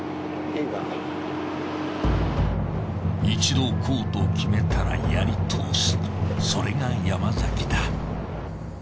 一度こうと決めたらやり通すそれが山崎だ。